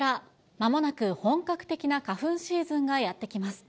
まもなく本格的な花粉シーズンがやって来ます。